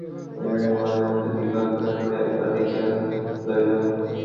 বিনোদিনী মহেন্দ্রের মুখের দিকে কটাক্ষপাত করিয়া একবার দেখিয়া লইল।